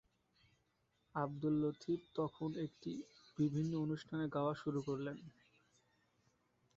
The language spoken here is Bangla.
আব্দুল লতিফ তখন এটি বিভিন্ন অনুষ্ঠানে গাওয়া শুরু করেন।